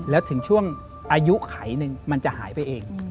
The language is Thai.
แล้วถึงช่วงอายุไขหนึ่งมันจะหายไปเอง